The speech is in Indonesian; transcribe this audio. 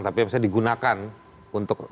tapi bisa digunakan untuk